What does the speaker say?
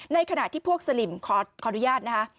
ในขณะที่พวกสลิมขออนุญาตนะคะ